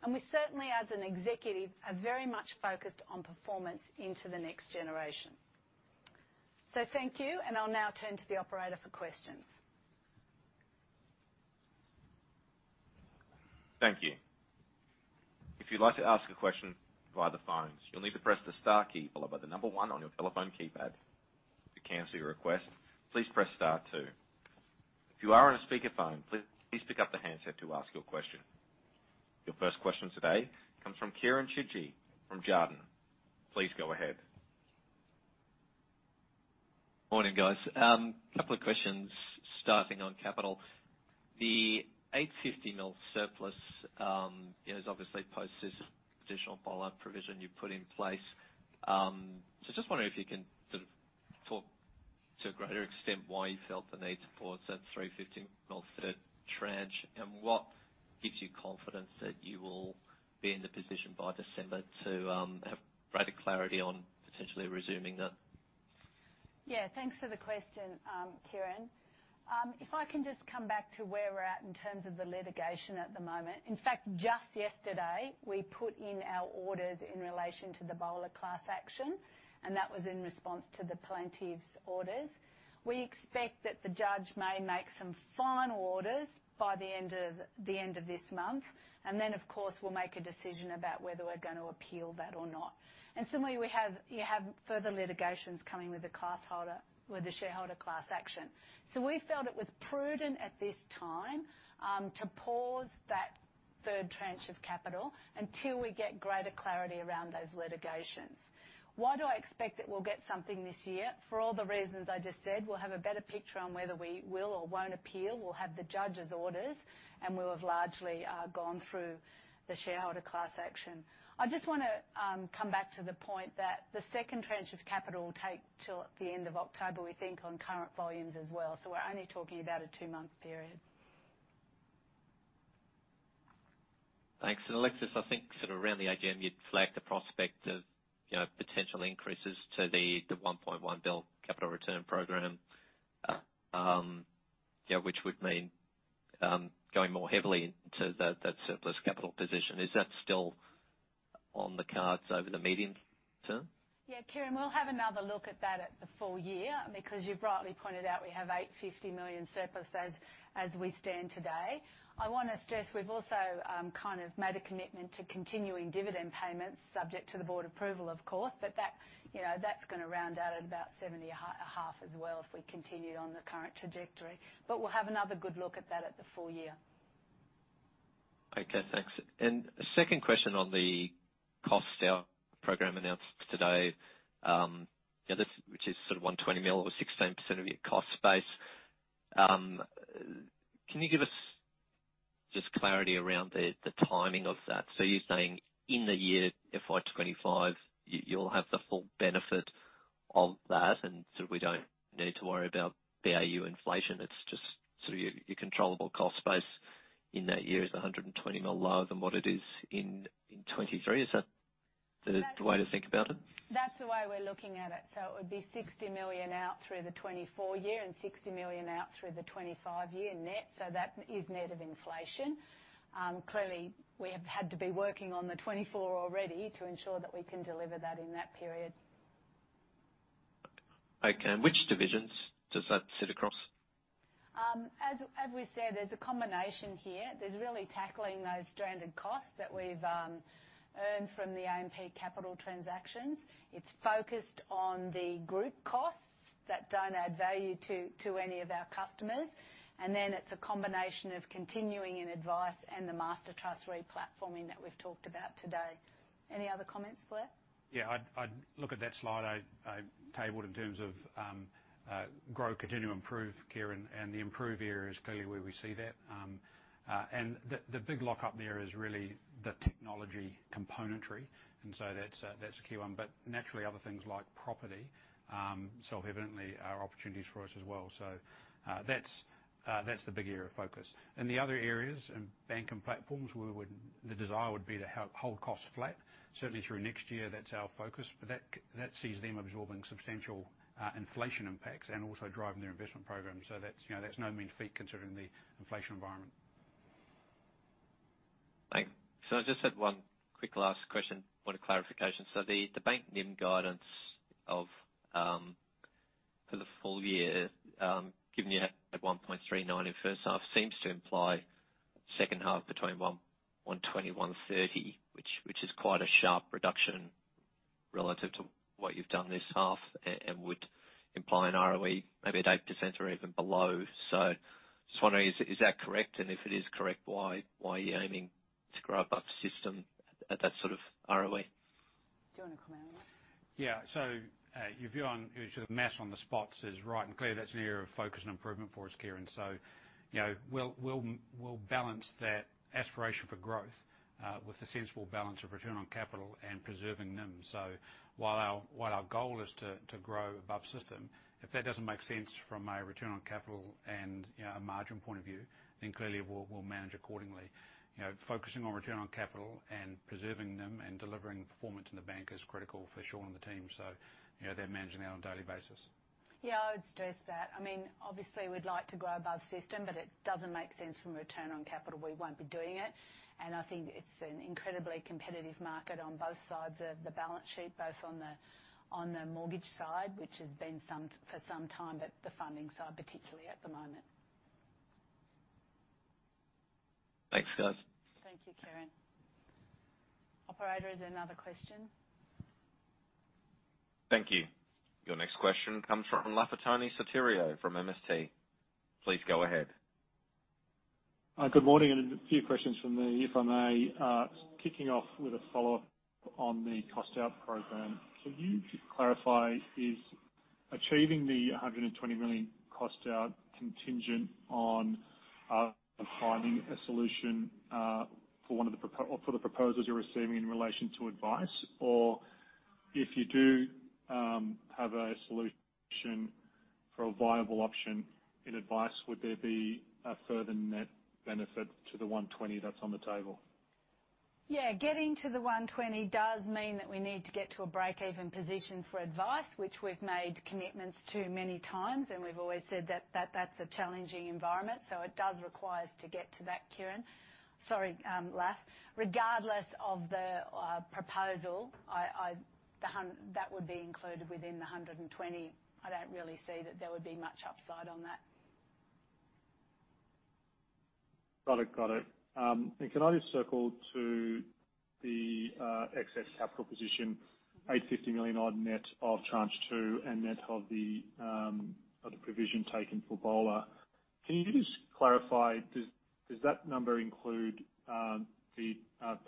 A: and we certainly, as an executive, are very much focused on performance into the next generation. Thank you, and I'll now turn to the operator for questions.
C: Thank you. If you'd like to ask a question via the phones, you'll need to press the star key, followed by the one on your telephone keypad. To cancel your request, please press star two. If you are on a speakerphone, please pick up the handset to ask your question. Your first question today comes from Kieren Chidgey from Jarden. Please go ahead.
D: Morning, guys. Couple of questions starting on capital. The 850 million surplus is obviously post this additional Buyer of Last Resort provision you put in place. Just wondering if you can sort of talk to a greater extent why you felt the need to pause that 350 million third tranche, and what gives you confidence that you will be in the position by December to have greater clarity on potentially resuming that? Yeah, thanks for the question, Kieran. If I can just come back to where we're at in terms of the litigation at the moment. In fact, just yesterday, we put in our orders in relation to the Buyer of Last Resort class action, and that was in response to the plaintiff's orders. We expect that the judge may make some final orders by the end of this month, and then, of course, we'll make a decision about whether we're gonna appeal that or not. Similarly, you have further litigations coming with the class holder, with the shareholder class action. We felt it was prudent at this time to pause that third tranche of capital until we get greater clarity around those litigations. Why do I expect that we'll get something this year? For all the reasons I just said, we'll have a better picture on whether we will or won't appeal. We'll have the judge's orders, and we'll have largely gone through the shareholder class action. I just wanna come back to the point that the second tranche of capital will take till the end of October, we think, on current volumes as well, so we're only talking about a two-month period. Thanks. Alexis, I think sort of around the AGM, you'd flagged the prospect of, you know, potential increases to the 1.1 bill capital return program, yeah, which would mean going more heavily into that, that surplus capital position. Is that still on the cards over the medium term? Yeah, Kieran, we'll have another look at that at the full year, because you've rightly pointed out we have 850 million surplus as, as we stand today. I wanna stress, we'll kind of made a commitment to continuing dividend payments, subject to the board approval, of course, but that, you know, that's gonna round out at about 70.5 as well, if we continue on the current trajectory. We'll have another good look at that at the full year. Okay, thanks. A second question on the cost out program announced today. This, which is 120 million or 16% of your cost base. Can you give us just clarity around the timing of that? You're saying in the year, FY 2025, you'll have the full benefit of that, and we don't need to worry about BAU inflation. It's just your controllable cost base in that year is 120 million lower than what it is in 2023. Is that the way to think about it? That's the way we're looking at it. It would be 60 million out through the 2024 year and 60 million out through the 2025 year net, so that is net of inflation. Clearly, we have had to be working on the 2024 already to ensure that we can deliver that in that period. Okay, which divisions does that sit across? As, as we said, there's a combination here. There's really tackling those stranded costs that we've earned from the AMP Capital transactions. It's focused on the group costs that don't add value to, to any of our customers, and then it's a combination of continuing in Advice and the Master Trust replatforming that we've talked about today. Any other comments, Blair?
B: Yeah, I'd, I'd look at that slide I, I tabled in terms of grow, continue to improve, Kieran, and the improve area is clearly where we see that. The big lockup there is really the technology componentry, that's a, that's a key one. Naturally, other things like property, so evidently are opportunities for us as well. That's the big area of focus. The other areas in bank and platforms, where the desire would be to hold costs flat. Certainly through next year, that's our focus, but that, that sees them absorbing substantial inflation impacts and also driving their investment program. That's, you know, that's no mean feat, considering the inflation environment.
D: Thanks. I just had one quick last question, want a clarification. The bank NIM guidance of, for the full year, given you at 1.39 in first half, seems to imply second half between 1.20-1.30, which is quite a sharp reduction relative to what you've done this half and would imply an ROE, maybe at 8% or even below. Just wondering, is that correct? If it is correct, why are you aiming to grow above system at that sort of ROE? Do you want to comment on that?
B: Yeah. Your view on, sort of math on the spots is right, and clearly, that's an area of focus and improvement for us, Kieran. You know, we'll, we'll, we'll balance that aspiration for growth with the sensible balance of return on capital and preserving NIM. While our, while our goal is to, to grow above system, if that doesn't make sense from a return on capital and, you know, a margin point of view, then clearly, we'll, we'll manage accordingly. You know, focusing on return on capital and preserving NIM and delivering performance in the bank is critical for Sean and the team, so you know, they're managing that on a daily basis. Yeah, I would stress that. I mean, obviously, we'd like to grow above system, but it doesn't make sense from return on capital, we won't be doing it. I think it's an incredibly competitive market on both sides of the balance sheet, both on the mortgage side, which has been for some time, but the funding side, particularly at the moment.
D: Thanks, guys. Thank you, Kieran. Operator, is there another question?
C: Thank you. Your next question comes from Lafitani Sotiriou from MST. Please go ahead.
E: Good morning, and a few questions from me, if I may. Kicking off with a follow-up on the cost out program. Could you clarify, is achieving the 120 million cost out contingent on finding a solution for one of the proposals you're receiving in relation to Advice? Or if you do have a solution for a viable option in Advice, would there be a further net benefit to the 120 that's on the table?
A: Yeah, getting to the 120 does mean that we need to get to a break-even position for advice, which we've made commitments to many times, and we've always said that, that, that's a challenging environment. It does require us to get to that, Kieran. Sorry, Laf. Regardless of the proposal, that would be included within the 120. I don't really see that there would be much upside on that.
E: Got it. Got it. Can I just circle to the excess capital position, 850 million odd net of Tranche 2 and net of the provision taken for BOLR? Can you just clarify, does that number include the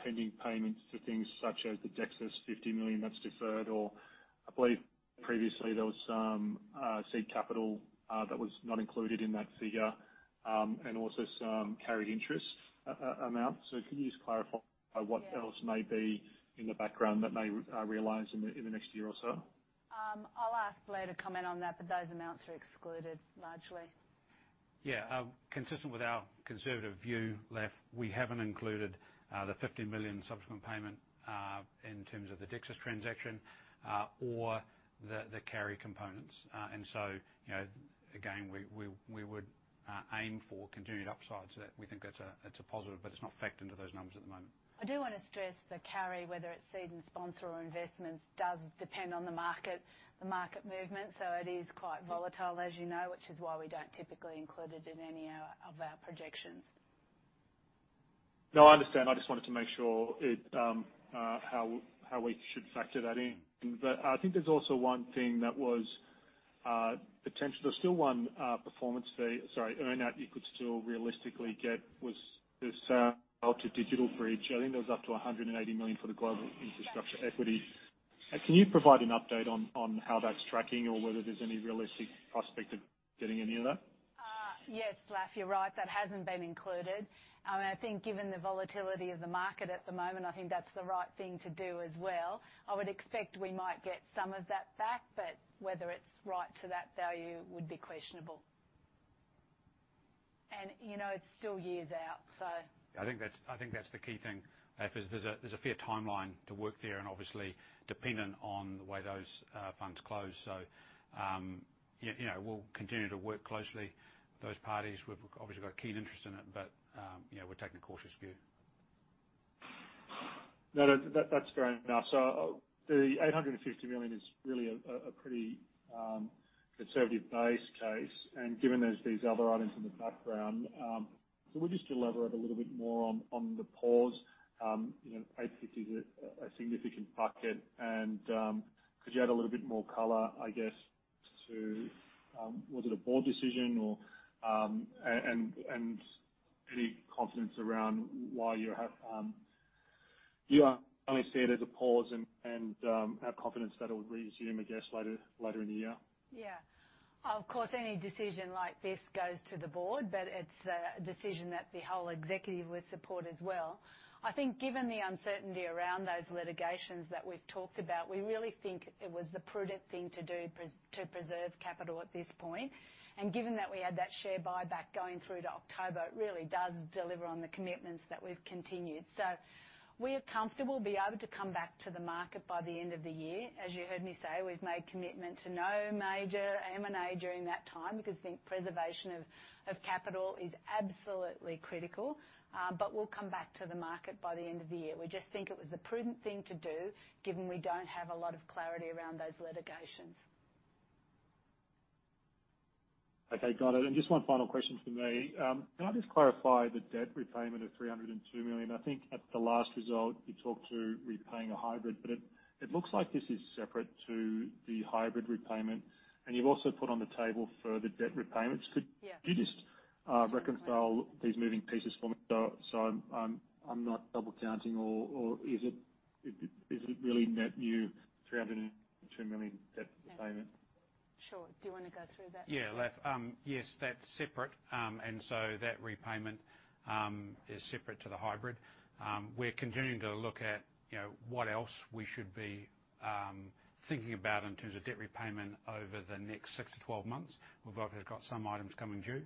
E: pending payments to things such as the Dexus 50 million that's deferred, or I believe previously there was some seed capital that was not included in that figure, and also some carried interest amount. Can you just clarify-
A: Yeah...
E: what else may be in the background that may realize in the, in the next year or so?
A: I'll ask Blair to comment on that, but those amounts are excluded largely.
B: Yeah, consistent with our conservative view, Laf, we haven't included the 50 million subsequent payment in terms of the Dexus transaction or the, the carry components. So, you know, again, we, we, we would aim for continued upsides. We think that's a, it's a positive, but it's not factored into those numbers.
A: I do want to stress the carry, whether it's seed and sponsor or investments, does depend on the market, the market movement, so it is quite volatile, as you know, which is why we don't typically include it in any of our, of our projections.
E: No, I understand. I just wanted to make sure it, how, how we should factor that in. I think there's also one thing that was, potential. There's still one, performance fee-- sorry, earn-out you could still realistically get was this, out to DigitalBridge. I think there was up to 180 million for the global infrastructure equity. Can you provide an update on, on how that's tracking or whether there's any realistic prospect of getting any of that?
A: Yes, Laf, you're right. That hasn't been included. I think given the volatility of the market at the moment, I think that's the right thing to do as well. I would expect we might get some of that back, but whether it's right to that value would be questionable. You know, it's still years out, so.
B: I think that's, I think that's the key thing, because there's a, there's a fair timeline to work there, and obviously dependent on the way those funds close. You know, we'll continue to work closely with those parties. We've obviously got a keen interest in it, but, you know, we're taking a cautious view.
E: No, that, that's fair enough. The 850 million is really a, a pretty conservative base case, and given there's these other items in the background, so we'll just deliver it a little bit more on, on the pause. You know, AUD 850 is a, a significant bucket and, could you add a little bit more color, I guess, to? Was it a board decision or, and, and, and any confidence around why you have, you only see it as a pause and, and, have confidence that it'll resume, I guess, later, later in the year?
A: Yeah. Of course, any decision like this goes to the board, but it's a decision that the whole executive would support as well. I think given the uncertainty around those litigations that we've talked about, we really think it was the prudent thing to do to preserve capital at this point. Given that we had that share buyback going through to October, it really does deliver on the commitments that we've continued. We are comfortable be able to come back to the market by the end of the year. As you heard me say, we've made a commitment to no major M&A during that time because the preservation of capital is absolutely critical. We'll come back to the market by the end of the year. We just think it was the prudent thing to do, given we don't have a lot of clarity around those litigations.
E: Okay, got it. Just one final question from me. Can I just clarify the debt repayment of 302 million? I think at the last result, you talked to repaying a hybrid, but it, it looks like this is separate to the hybrid repayment, and you've also put on the table further debt repayments.
A: Yeah.
E: Could you just reconcile these moving pieces for me so I'm not double counting or is it really net new 302 million debt payment?
A: Sure. Do you want to go through that?
B: Yeah, Laf. Yes, that's separate. So that repayment is separate to the hybrid. We're continuing to look at, you know, what else we should be thinking about in terms of debt repayment over the next six to 12 months. We've obviously got some items coming due.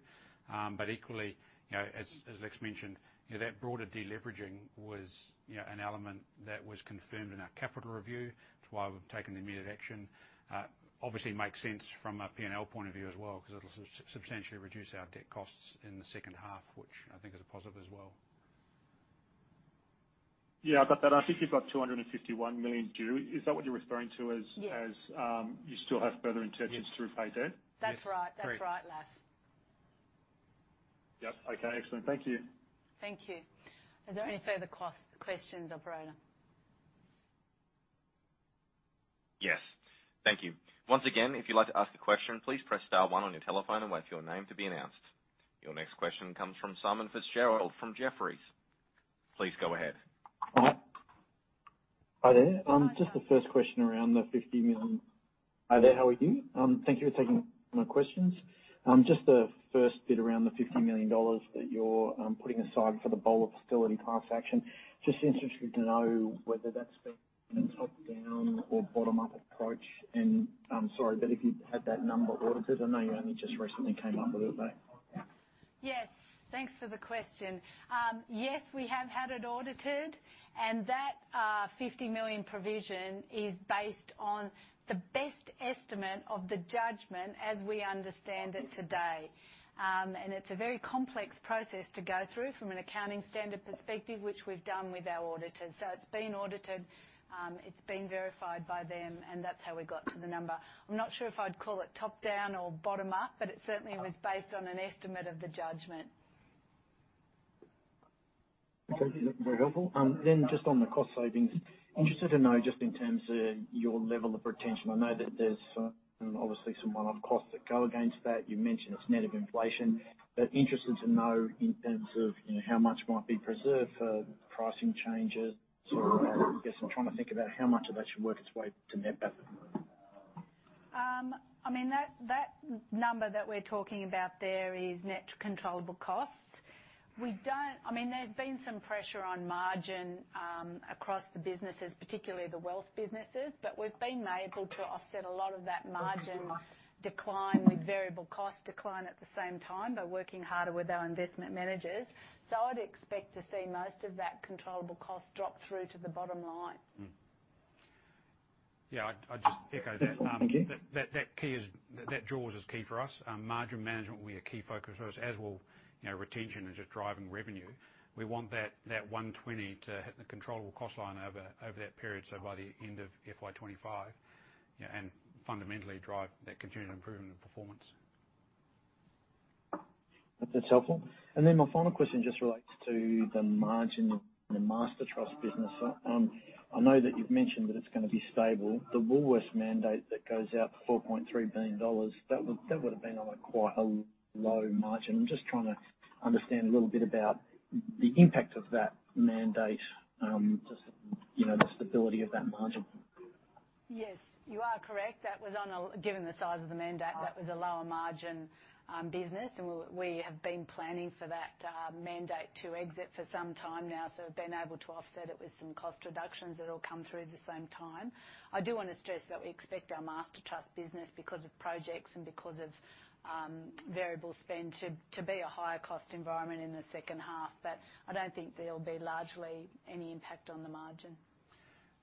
B: Equally, you know, as, as Lex mentioned, you know, that broader deleveraging was, you know, an element that was confirmed in our capital review. It's why we've taken the immediate action. Obviously makes sense from a P&L point of view as well, because it'll sub-substantially reduce our debt costs in the second half, which I think is a positive as well.
E: Yeah, I got that. I think you've got 251 million due. Is that what you're referring to?
A: Yes.
E: you still have further intentions to repay debt?
B: Yes.
A: That's right.
B: Great.
A: That's right, Laf.
E: Yep. Okay, excellent. Thank you.
A: Thank you. Are there any further questions, operator?
C: Yes. Thank you. Once again, if you'd like to ask a question, please press star one on your telephone and wait for your name to be announced. Your next question comes from Simon Fitzgerald from Jefferies. Please go ahead.
F: Hi there. Just the first question around the 50 million. Hi there. How are you? Thank you for taking my questions. Just the first bit around the 50 million dollars that you're putting aside for the Buyer of Last Resort class action. Just interested to know whether that's been a top-down or bottom-up approach. Sorry, if you've had that number audited, I know you only just recently came up with it.
A: Yes. Thanks for the question. Yes, we have had it audited, and that 50 million provision is based on the best estimate of the judgment as we understand it today. It's a very complex process to go through from an accounting standard perspective, which we've done with our auditors. It's been audited, it's been verified by them, and that's how we got to the number. I'm not sure if I'd call it top-down or bottom-up, but it certainly was based on an estimate of the judgment.
F: Okay. Very helpful. Just on the cost savings, interested to know just in terms of your level of retention. I know that there's obviously some one-off costs that go against that. You mentioned it's net of inflation, but interested to know in terms of, you know, how much might be preserved for pricing changes. I guess I'm trying to think about how much of that should work its way to net profit.
A: I mean, that, that number that we're talking about there is net controllable costs. I mean, there's been some pressure on margin across the businesses, particularly the wealth businesses, but we've been able to offset a lot of that margin decline with variable cost decline at the same time by working harder with our investment managers. I'd expect to see most of that controllable cost drop through to the bottom line.
B: Yeah, I'd, I'd just echo that. That, that, that key is that jaws is key for us. Margin management will be a key focus for us, as will, you know, retention and just driving revenue. We want that, that 120 to hit the controllable cost line over, over that period, so by the end of FY 2025, yeah, and fundamentally drive that continued improvement in performance.
F: That's helpful. Then my final question just relates to the margin in the Master Trust business. I know that you've mentioned that it's going to be stable. The Woolworths mandate that goes out for 4.3 billion dollars, that would, that would have been on a quite a low margin. I'm just trying to understand a little bit about the impact of that mandate, just, you know, the stability of that margin.
A: Yes, you are correct. That was on a... Given the size of the mandate, that was a lower margin business, and we, we have been planning for that mandate to exit for some time now. We've been able to offset it with some cost reductions that all come through at the same time. I do want to stress that we expect our Master Trust business, because of projects and because of variable spend, to, to be a higher cost environment in the second half. I don't think there'll be largely any impact on the margin.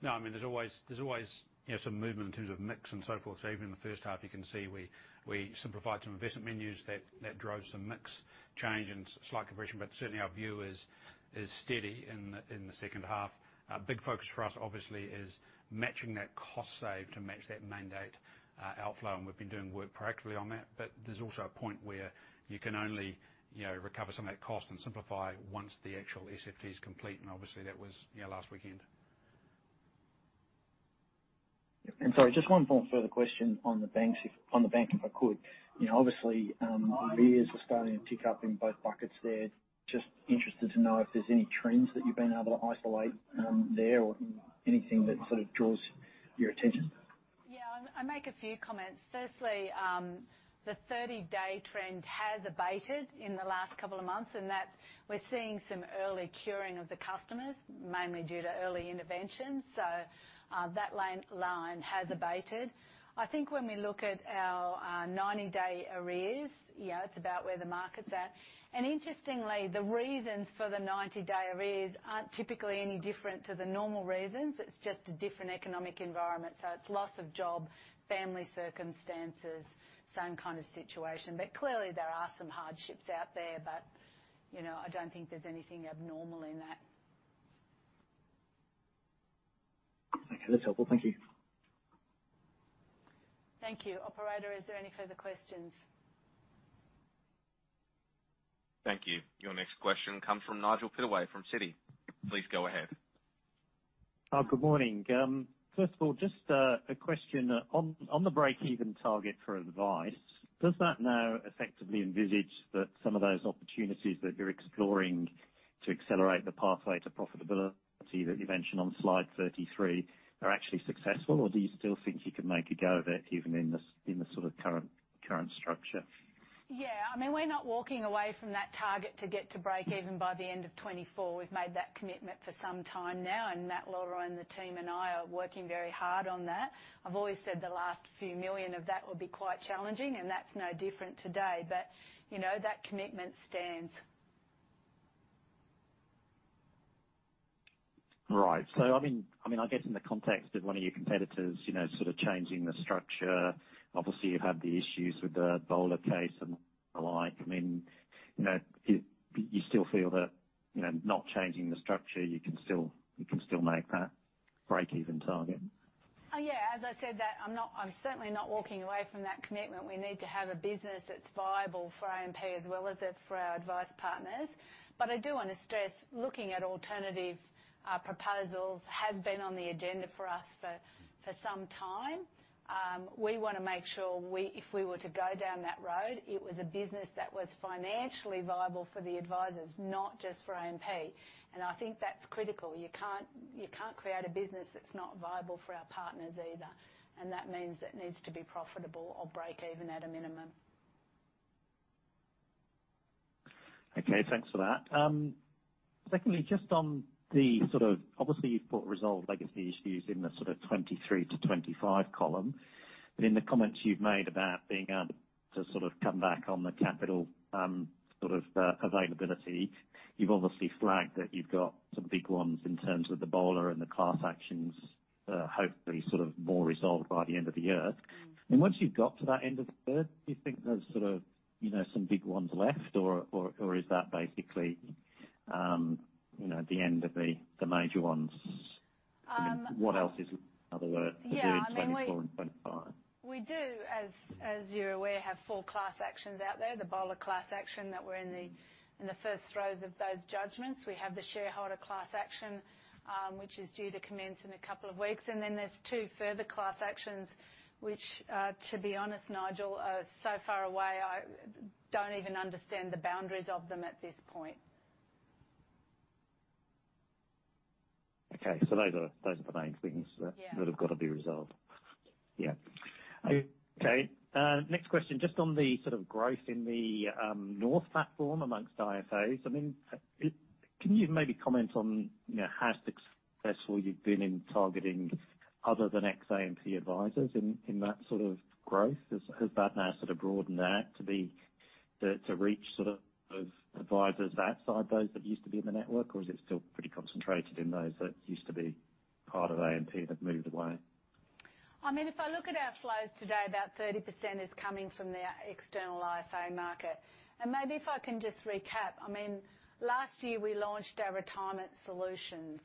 B: No, I mean, there's always, there's always, you know, some movement in terms of mix and so forth. Even in the first half, you can see we, we simplified some investment menus that, that drove some mix change and slight compression, but certainly our view is, is steady in the, in the second half. A big focus for us, obviously, is matching that cost save to match that mandate, outflow, and we've been doing work proactively on that. There's also a point where you can only, you know, recover some of that cost and simplify once the actual SFT is complete, and obviously, that was, you know, last weekend.
F: Sorry, just 1 more further question on the bank, if I could. You know, obviously, arrears are starting to tick up in both buckets there. Just interested to know if there's any trends that you've been able to isolate there or anything that sort of draws your attention?
A: Yeah, I'll, I'll make a few comments. Firstly, the 30-day trend has abated in the last couple of months, and that we're seeing some early curing of the customers, mainly due to early intervention. That line has abated. I think when we look at our 90-day arrears, yeah, it's about where the market's at. Interestingly, the reasons for the 90-day arrears aren't typically any different to the normal reasons. It's just a different economic environment. It's loss of job, family circumstances, same kind of situation. Clearly, there are some hardships out there. You know, I don't think there's anything abnormal in that.
F: Okay, that's helpful. Thank you.
A: Thank you. Operator, is there any further questions?
C: Thank you. Your next question comes from Nigel Pittaway from Citi. Please go ahead.
G: Good morning. First of all, just a question on the breakeven target for advice. Does that now effectively envisage that some of those opportunities that you're exploring to accelerate the pathway to profitability that you mentioned on slide 33 are actually successful, or do you still think you can make a go of it, even in the sort of current, current structure?
A: Yeah, I mean, we're not walking away from that target to get to breakeven by the end of 2024. We've made that commitment for some time now. Matt Loughran, the team, and I are working very hard on that. I've always said the last AUD few million of that would be quite challenging. That's no different today. You know, that commitment stands.
G: Right. I mean, I mean, I guess in the context of one of your competitors, you know, sort of changing the structure, obviously, you've had the issues with the Buyer of Last Resort case and the like. I mean, you know, you, you still feel that, you know, not changing the structure, you can still, you can still make that breakeven target?
A: Yeah, as I said, that I'm not-- I'm certainly not walking away from that commitment. We need to have a business that's viable for AMP as well as it for our advice partners. I do want to stress, looking at alternative proposals has been on the agenda for us for, for some time. We want to make sure if we were to go down that road, it was a business that was financially viable for the advisors, not just for AMP. I think that's critical. You can't, you can't create a business that's not viable for our partners either, and that means it needs to be profitable or breakeven at a minimum.
G: Okay, thanks for that. Secondly, just on the obviously, you've put resolved legacy issues in the sort of 23 to 25 column. In the comments you've made about being able to come back on the capital availability, you've obviously flagged that you've got some big ones in terms of the Buyer of Last Resort and the class actions, hopefully more resolved by the end of the year.
A: Mm.
G: Once you've got to that end of the year, do you think there's sort of, you know, some big ones left, or, or, or is that basically, you know, the end of the, the major ones?
A: Um-
G: What else is, in other words-
A: Yeah, I mean.
G: -2024 and 2025?
A: We do, as, as you're aware, have four class actions out there, the Buyer of Last Resort class action, that we're in the, in the first rows of those judgments. We have the shareholder class action, which is due to commence in a couple of weeks. Then there's two further class actions, which, to be honest, Nigel, are so far away, I don't even understand the boundaries of them at this point.
G: Okay. Those are, those are the main things...
A: Yeah.
G: -that have got to be resolved. Yeah. Okay, next question, just on the sort of growth in the North platform amongst IFAs, I mean, can you maybe comment on, you know, how successful you've been in targeting other than ex-AMP advisors in, in that sort of growth? Has that now sort of broadened out to reach sort of those advisors outside those that used to be in the network? Or is it still pretty concentrated in those that used to be part of AMP that moved away?
A: I mean, if I look at our flows today, about 30% is coming from the external IFA market. Maybe if I can just recap, I mean, last year, we launched our retirement solutions,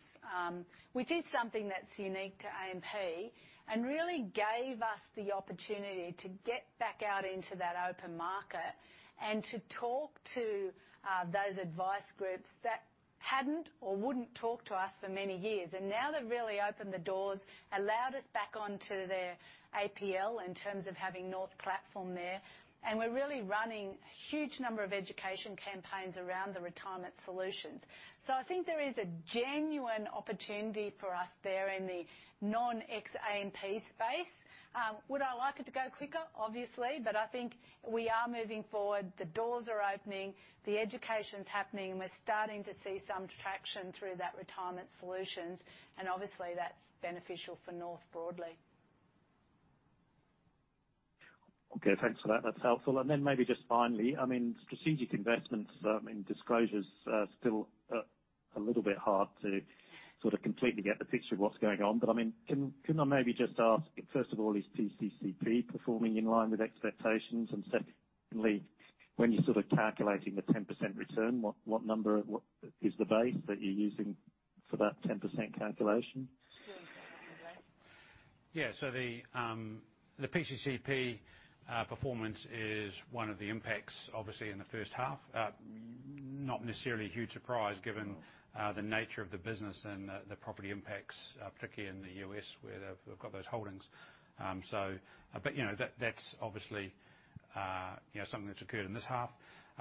A: which is something that's unique to AMP, and really gave us the opportunity to get back out into that open market and to talk to those advice groups that hadn't or wouldn't talk to us for many years. Now, they've really opened the doors, allowed us back onto their APL in terms of having North platform there, and we're really running a huge number of education campaigns around the retirement solutions. I think there is a genuine opportunity for us there in the non-ex-AMP space. Would I like it to go quicker? Obviously. I think we are moving forward. The doors are opening, the education's happening, and we're starting to see some traction through that retirement solutions, and obviously, that's beneficial for North broadly.
G: Okay, thanks for that. That's helpful. Then maybe just finally, I mean, strategic investments in disclosures are still a little bit hard to sort of completely get the picture of what's going on. I mean, can I maybe just ask, first of all, is PCCP performing in line with expectations? Secondly, when you're sort of calculating the 10% return, what number, what is the base that you're using for that 10% calculation?
A: Sure. Blair?
B: Yeah, the PCCP performance is one of the impacts, obviously, in the first half. Not necessarily a huge surprise, given the nature of the business and the property impacts, particularly in the US where they've got those holdings. You know, that's obviously, you know, something that's occurred in this half.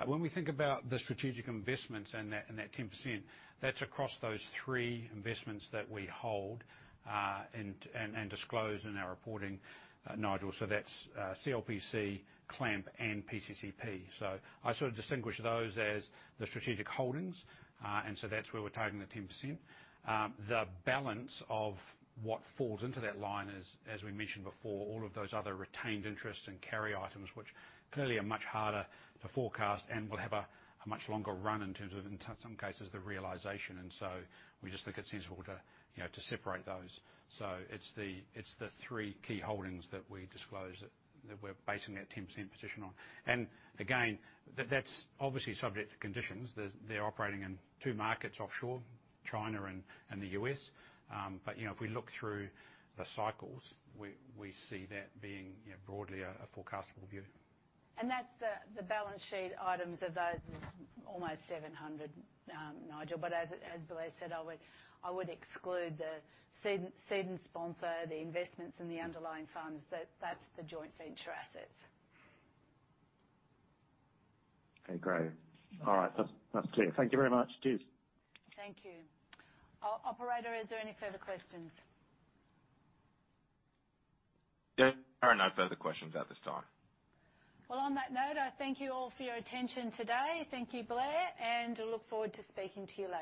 B: When we think about the strategic investments and that, and that 10%, that's across those three investments that we hold and disclose in our reporting, Nigel. That's CLPC, CLAMP, and PCCP. I sort of distinguish those as the strategic holdings, and that's where we're targeting the 10%. The balance of what falls into that line is, as we mentioned before, all of those other retained interests and carry items, which clearly are much harder to forecast and will have a, a much longer run in terms of, in some cases, the realization. We just think it's sensible to, you know, to separate those. So it's the, it's the three key holdings that we disclose, that, that we're basing that 10% position on. Again, that's obviously subject to conditions. They're, they're operating in two markets offshore, China and the US. You know, if we look through the cycles, we, we see that being, you know, broadly a, a forecastable view.
A: That's the, the balance sheet items of those is almost 700, Nigel. As, as Blair said, I would, I would exclude the seed, seed and sponsor, the investments in the underlying funds. That, that's the joint venture assets.
G: Okay, great. All right. That's clear. Thank you very much. Cheers.
A: Thank you. operator, is there any further questions?
C: There are no further questions at this time.
A: Well, on that note, I thank you all for your attention today. Thank you, Blair, and look forward to speaking to you later.